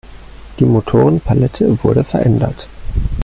Die Motorenpalette wurde verändert.